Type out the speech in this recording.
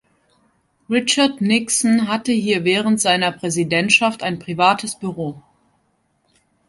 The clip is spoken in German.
Richard Nixon hatte hier während seiner Präsidentschaft ein privates Büro.